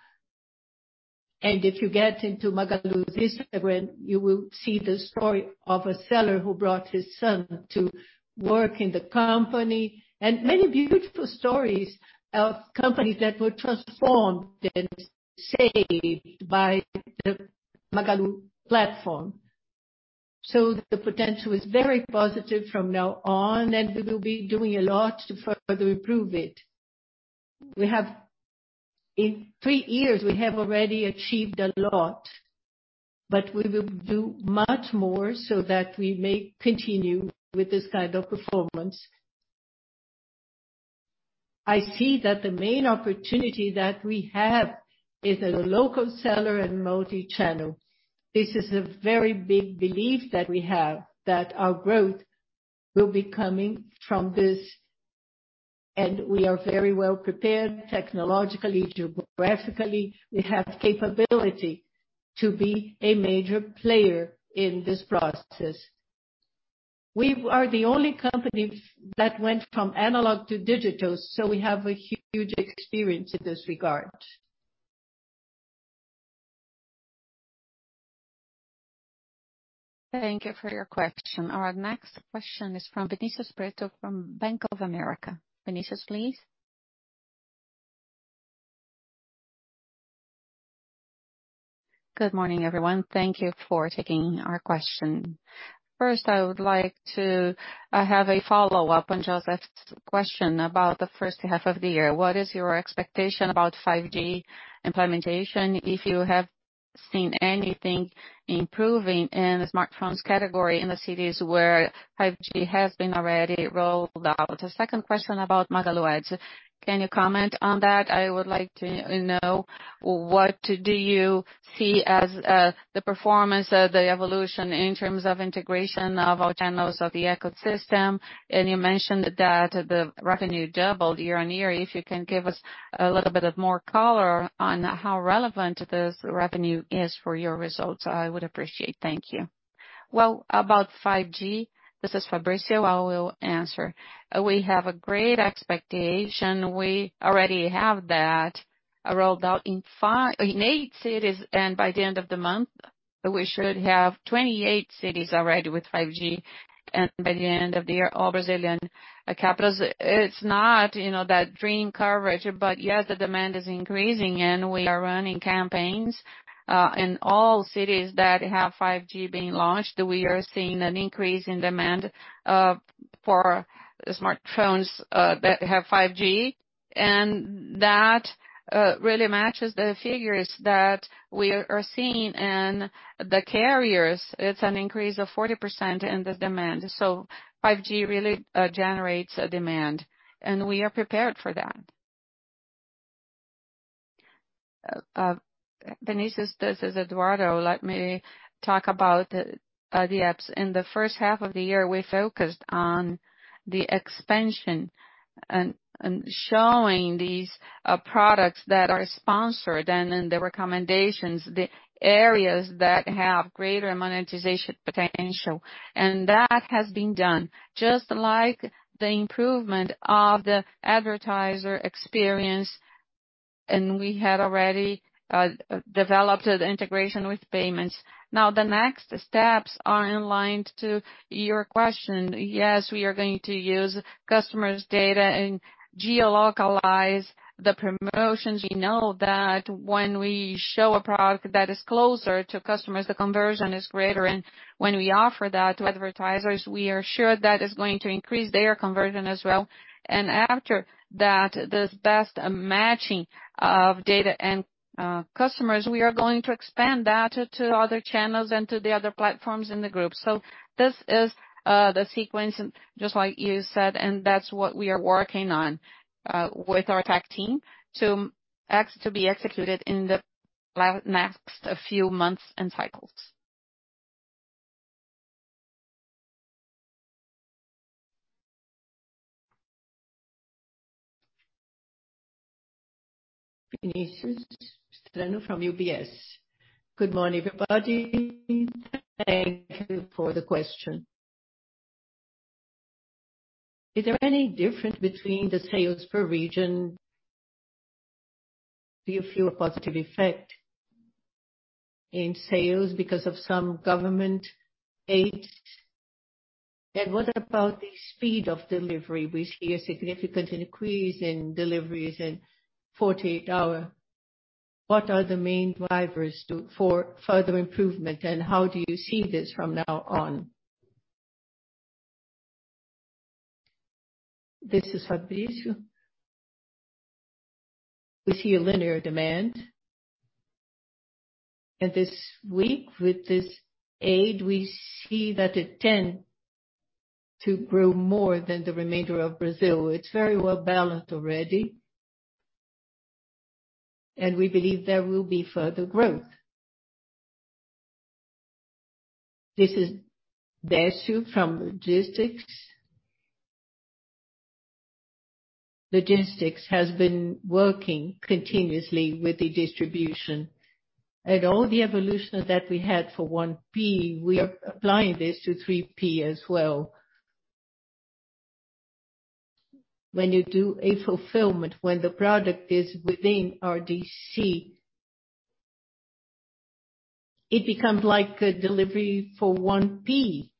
If you get into Magalu's Instagram, you will see the story of a seller who brought his son to work in the company, and many beautiful stories of companies that were transformed and saved by the Magalu platform. The potential is very positive from now on, and we will be doing a lot to further improve it. In three years, we have already achieved a lot, but we will do much more so that we may continue with this kind of performance. I see that the main opportunity that we have is as a local seller in multi-channel. This is a very big belief that we have, that our growth will be coming from this, and we are very well prepared technologically, geographically. We have capability to be a major player in this process. We are the only company that went from analog to digital, so we have a huge experience in this regard. Thank you for your question. Our next question is from Vinicius Brito from Bank of America. Vinicius, please. Good morning, everyone. Thank you for taking our question. First, I have a follow-up on Joseph's question about the first half of the year. What is your expectation about 5G implementation? If you have seen anything improving in the smartphones category in the cities where 5G has been already rolled out? The second question about Magalu Ads. Can you comment on that? I would like to, you know, what do you see as, the performance of the evolution in terms of integration of all channels of the ecosystem? And you mentioned that the revenue doubled year-over-year. If you can give us a little bit of more color on how relevant this revenue is for your results, I would appreciate. Thank you. Well, about 5G. This is Fabrício. I will answer. We have a great expectation. We already have that rolled out in eight cities, and by the end of the month, we should have 28 cities already with 5G. By the end of the year, all Brazilian capitals. It's not, you know, that dream coverage. Yes, the demand is increasing, and we are running campaigns in all cities that have 5G being launched. We are seeing an increase in demand for smartphones that have 5G, and that really matches the figures that we are seeing in the carriers. It's an increase of 40% in the demand. 5G really generates a demand, and we are prepared for that. Vinicius, this is Eduardo. Let me talk about the apps. In the first half of the year, we focused on the expansion and showing these products that are sponsored and in the recommendations, the areas that have greater monetization potential. That has been done just like the improvement of the advertiser experience, and we had already developed the integration with payments. Now, the next steps are in line to your question. Yes, we are going to use customers' data and geolocalize the promotions. We know that when we show a product that is closer to customers, the conversion is greater. When we offer that to advertisers, we are sure that is going to increase their conversion as well. After that, this best matching of data and customers, we are going to expand that to other channels and to the other platforms in the group. This is the sequence, just like you said, and that's what we are working on with our tech team to be executed in the next few months and cycles. Vinícius Strano from UBS. Good morning, everybody. Thank you for the question. Is there any difference between the sales per region? Do you feel a positive effect in sales because of some government aid? What about the speed of delivery? We see a significant increase in deliveries in 48-hour. What are the main drivers for further improvement, and how do you see this from now on? This is Fabrício. We see a linear demand. This week, with this aid, we see that it tends to grow more than the rest of Brazil. It's very well-balanced already. We believe there will be further growth. This is Décio from Logistics. Logistics has been working continuously with the distribution. All the evolution that we had for 1P, we are applying this to 3P as well. When you do a fulfillment, when the product is within our DC, it becomes like a delivery for 1P.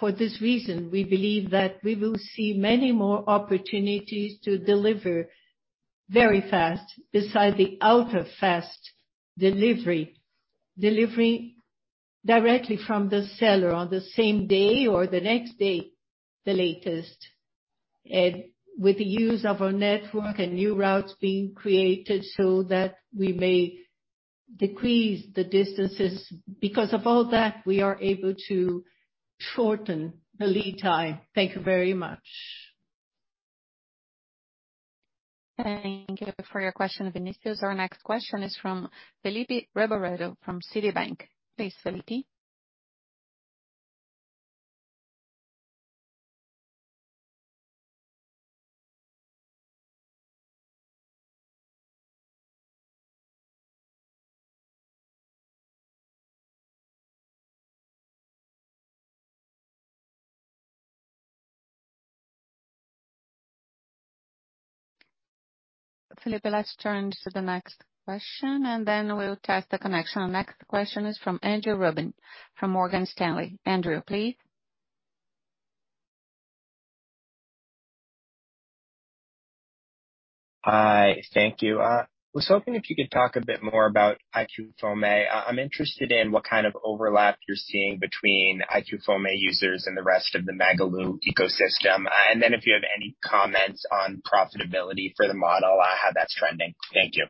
For this reason, we believe that we will see many more opportunities to deliver very fast besides the ultra-fast delivery. Directly from the seller on the same day or the next day, the latest. With the use of our network and new routes being created so that we may decrease the distances. Because of all that, we are able to shorten the lead time. Thank you very much. Thank you for your question, Vinicius. Our next question is from Felipe Reboredo, from Citibank. Please, Felipe. Felipe, let's turn to the next question, and then we'll test the connection. Next question is from Andrew Ruben from Morgan Stanley. Andrew, please. Hi. Thank you. I was hoping if you could talk a bit more about AiQFome. I'm interested in what kind of overlap you're seeing between AiQFome users and the rest of the Magalu ecosystem. If you have any comments on profitability for the model, how that's trending. Thank you.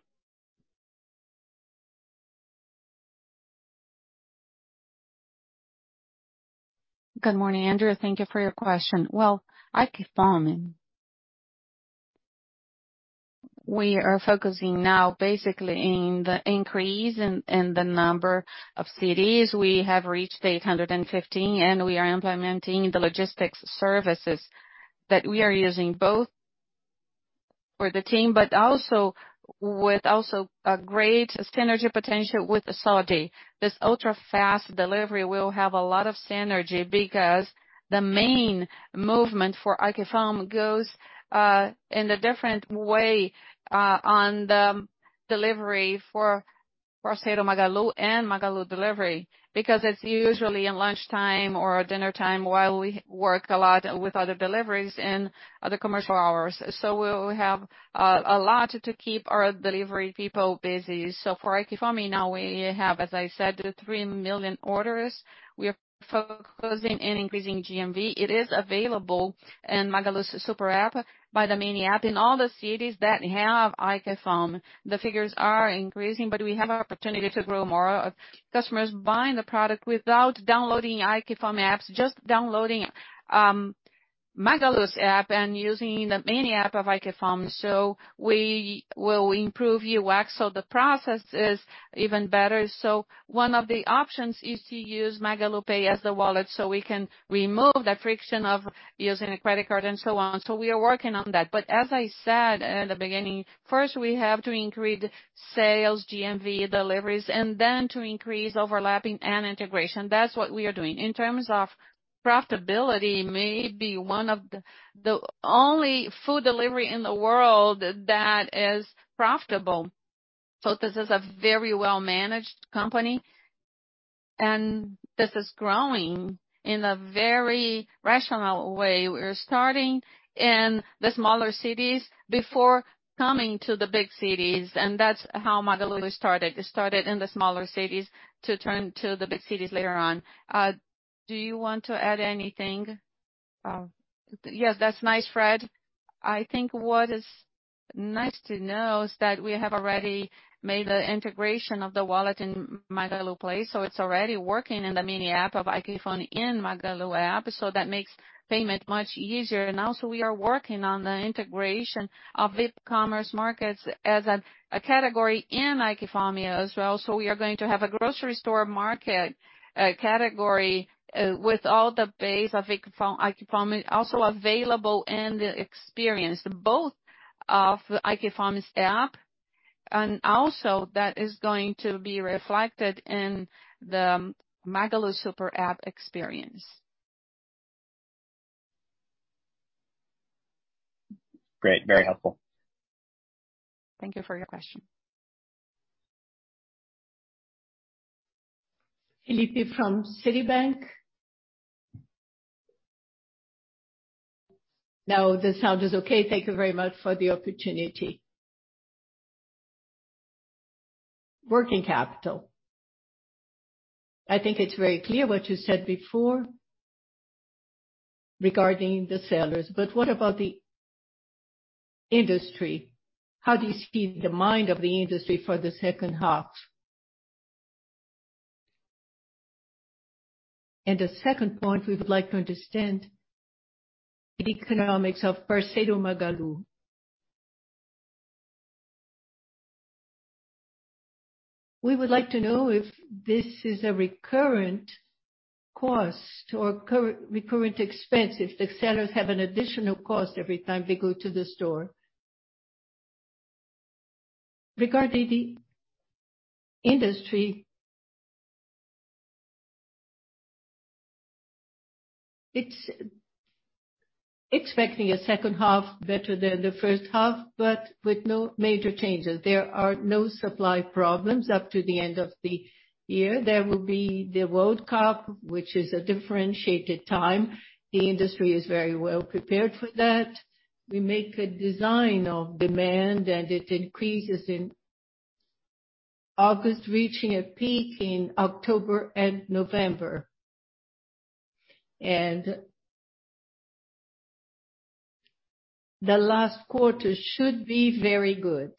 Good morning, Andrew. Thank you for your question. Well, AiQFome. We are focusing now basically in the increase in the number of cities. We have reached 815, and we are implementing the logistics services that we are using both for the team, but also with a great synergy potential with Sode. This ultra-fast delivery will have a lot of synergy because the main movement for AiQFome goes in a different way on the delivery for Magalu Marketplace and Magalu Entregas. Because it's usually in lunchtime or dinner time while we work a lot with other deliveries and other commercial hours. We'll have a lot to keep our delivery people busy. For AiQFome now we have, as I said, the 3 million orders. We are focusing in increasing GMV. It is available in Magalu's SuperApp by the mini app. In all the cities that have AiQFome, the figures are increasing, but we have opportunity to grow more. Customers buying the product without downloading AiQFome apps, just downloading Magalu's app and using the mini app of AiQFome. We will improve UX so the process is even better. One of the options is to use MagaluPay as the wallet, so we can remove the friction of using a credit card and so on. We are working on that. As I said at the beginning, first we have to increase sales, GMV deliveries, and then to increase overlapping and integration. That's what we are doing. In terms of profitability, may be one of the only food delivery in the world that is profitable. This is a very well-managed company, and this is growing in a very rational way. We're starting in the smaller cities before coming to the big cities, and that's how Magalu started. It started in the smaller cities to turn to the big cities later on. Do you want to add anything? Yes, that's nice, Fred. I think what is nice to know is that we have already made the integration of the wallet in MagaluPay, so it's already working in the mini app of AiQFome in Magalu app. That makes payment much easier. We are working on the integration of the commerce markets as a category in AiQFome as well. We are going to have a grocery store market category with all the base of AiQFome also available in the experience both of AiQFome's app and also that is going to be reflected in the Magalu SuperApp experience. Great. Very helpful. Thank you for your question. Felipe Reboredo from Citibank. Now the sound is okay. Thank you very much for the opportunity. Working capital. I think it's very clear what you said before regarding the sellers, but what about the industry? How do you see the mindset of the industry for the second half? The second point, we would like to understand the economics of Parceiro Magalu. We would like to know if this is a recurrent cost or recurrent expense, if the sellers have an additional cost every time they go to the store. Regarding the industry, it's expecting a second half better than the first half, but with no major changes. There are no supply problems up to the end of the year. There will be the World Cup, which is a differentiated time. The industry is very well prepared for that. We make a design of demand, and it increases in August, reaching a peak in October and November. The last quarter should be very good.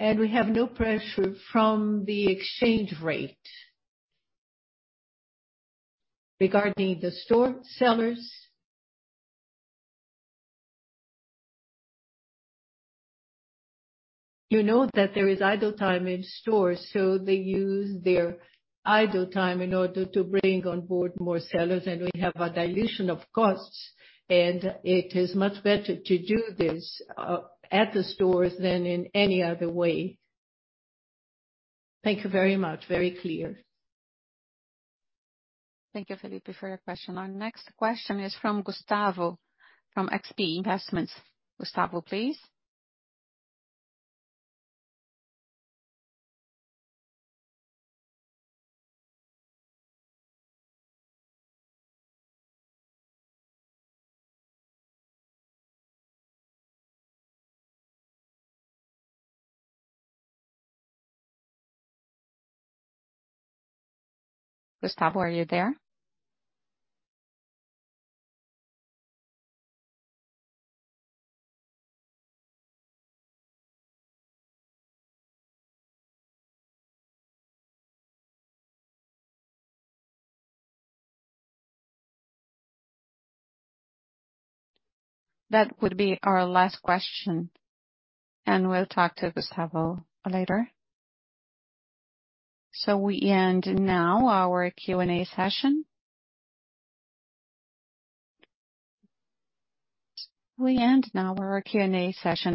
We have no pressure from the exchange rate. Regarding the store sellers, you know that there is idle time in stores, so they use their idle time in order to bring on board more sellers. We have a dilution of costs, and it is much better to do this at the stores than in any other way. Thank you very much. Very clear. Thank you, Felipe, for your question. Our next question is from Gustavo from XP Investimentos. Gustavo, please. Gustavo, are you there? That would be our last question, and we'll talk to Gustavo later. We end now our Q&A session.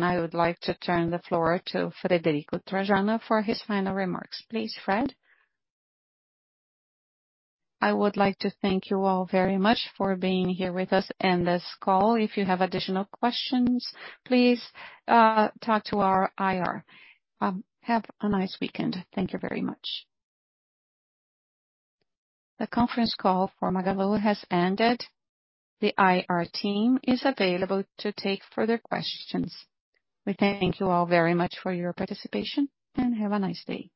I would like to turn the floor to Frederico Trajano for his final remarks. Please, Fred. I would like to thank you all very much for being here with us in this call. If you have additional questions, please, talk to our IR. Have a nice weekend. Thank you very much. The conference call for Magalu has ended. The IR team is available to take further questions. We thank you all very much for your participation, and have a nice day.